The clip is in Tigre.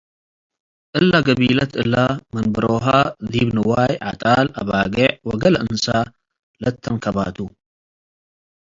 እለ ገቢለት እለ መንበሮሀ ዲብ ንዋይ፡ ዐጣል፡ አባጌዕ ወገሌ እንሰ ለአተንከበት ተ ።